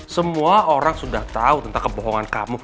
semua orang sudah tahu tentang kebohongan kamu